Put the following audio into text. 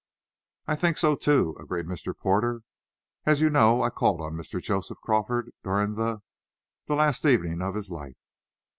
"I think so, too," agreed Mr. Porter. "As you know, I called on Mr. Joseph Crawford during the the last evening of his life."